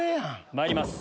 まいります